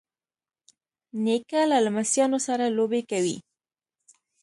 نیکه له لمسیانو سره لوبې کوي.